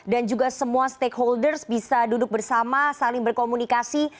dan juga semua stakeholders bisa duduk bersama saling berkomunikasi